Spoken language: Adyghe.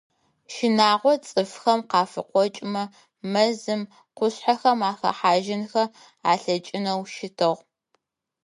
Щынагъо цӏыфхэм къафыкъокӏымэ, мэзым, къушъхьэхэм ахэхьажьынхэ алъэкӏынэу щытыгъ.